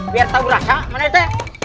biar tahu rasa mana itu ya